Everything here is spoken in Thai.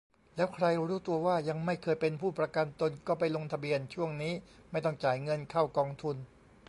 แล้วใครรู้ตัวว่ายังไม่เคยเป็นผู้ประกันตน ก็ไปลงทะเบียน ช่วงนี้ไม่ต้องจ่ายเงินเข้ากองทุน